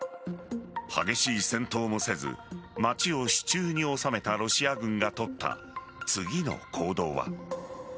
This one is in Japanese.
激しい戦闘もせず町を手中に収めたロシア軍がとった次の行動は。